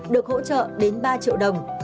được hỗ trợ đến ba triệu đồng